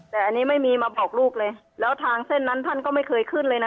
แต่อันนี้ไม่มีมาบอกลูกเลยแล้วทางเส้นนั้นท่านก็ไม่เคยขึ้นเลยนะ